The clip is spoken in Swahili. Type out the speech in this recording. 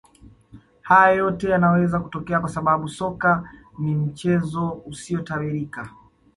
Haya yote yanaweza kutokea kwa sababu soka ni mchezo usiotabirika